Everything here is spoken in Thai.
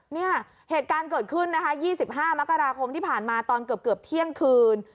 เนี่ยเหตุการณ์เกิดขึ้นนะคะ๒๕มกราคมที่ผ่านมาตอนเกือบเที่ยงคืน